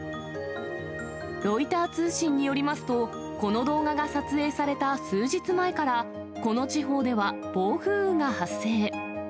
ロイター通信によりますと、この動画が撮影された数日前から、この地方では暴風雨が発生。